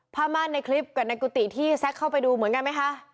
ผ้าม่านในคลิปกับในกุฏิที่แซ็กเข้าไปดูเหมือนกันไหมคะ